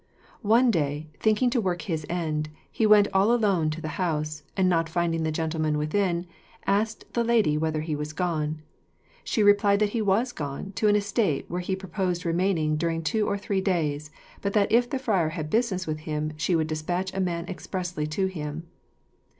One day, thinking to work his end, he went all alone to the house, and not finding the gentleman within, asked the lady whither he was gone. She replied that he was gone to an estate where he proposed remaining during two or three days, but that if the friar had business with him, she would despatch a man expressly to him.